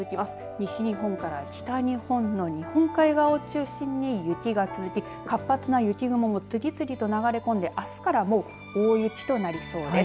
西日本から北日本の日本海側を中心に雪が続き活発な雪雲も次々と流れ込んであすからも大雪となりそうです。